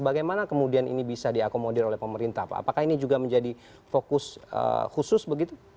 bagaimana kemudian ini bisa diakomodir oleh pemerintah pak apakah ini juga menjadi fokus khusus begitu